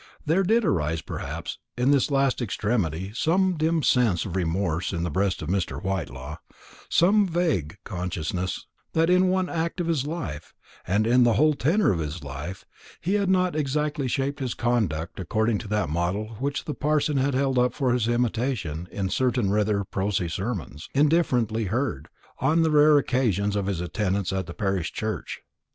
There did arise perhaps in this last extremity some dim sense of remorse in the breast of Mr. Whitelaw, some vague consciousness that in that one act of his life, and in the whole tenor of his life, he had not exactly shaped his conduct according to that model which the parson had held up for his imitation in certain rather prosy sermons, indifferently heard, on the rare occasions of his attendance at the parish church.